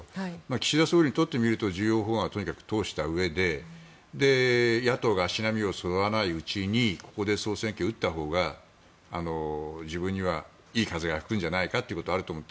岸田総理にとってみると重要法案はとにかく通したうえで野党が足並みがそろわないうちにここで総選挙を打ったほうが自分にはいい風が吹くんじゃないかということがあると思う。